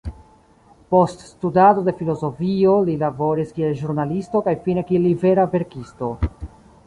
Post studado de filozofio li laboris kiel ĵurnalisto kaj fine kiel libera verkisto.